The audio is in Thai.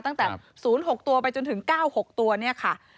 ตั้งแต่๐๖ตัวไปจนถึง๙๖ตัวเนี่ยค่ะ